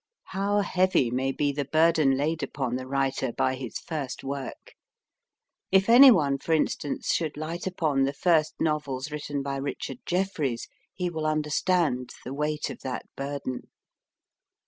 How heavy may be the burden laid upon the writer by his first work ! If anyone, for instance, should light upon the first novels written by Richard Jefferies, he will understand the weight of that burden.